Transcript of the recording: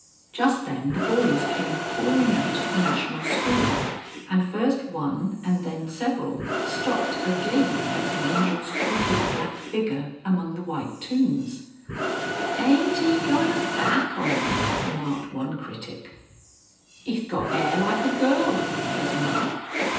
Just then the boys came pouring out of the National School, and first one and then several stopped agape at the Angel's crooked black figure among the white tombs. "Ent 'e gart a bääk on en!" remarked one critic. "'E's got 'air like a girl!" said another.